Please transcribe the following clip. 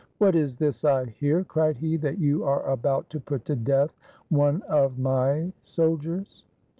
"What is this I hear," cried he, "that you are about to put to death one of my soldiers?"